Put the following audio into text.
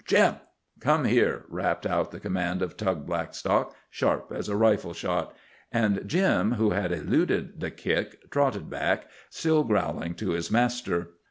"JIM!! Come here!" rapped out the command of Tug Blackstock, sharp as a rifle shot. And Jim, who had eluded the kick, trotted back, still growling, to his master.